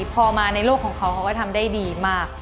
พอมาในโลกของเขาเขาก็ทำได้ดีมาก